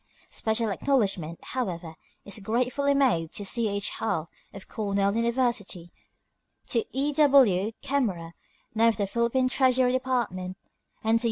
Special acknowledgment, however, is gratefully made to C. H. Hull, of Cornell University; to E. W. Kemmerer, now of the Philippine Treasury Department, and to U.